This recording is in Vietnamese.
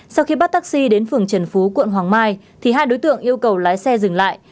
sau khi bắt taxi đến phường trần phú quận hoàng mai thì hai đối tượng yêu cầu lái xe dừng lại